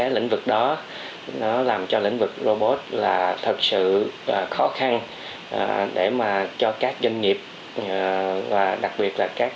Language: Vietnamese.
lĩnh vực đó nó làm cho lĩnh vực robot là thật sự khó khăn để cho các doanh nghiệp và đặc biệt là các